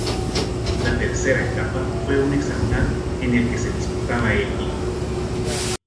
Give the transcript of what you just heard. La tercera etapa fue un hexagonal, en el que se disputaba el título.